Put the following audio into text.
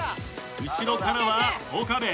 後ろからは岡部。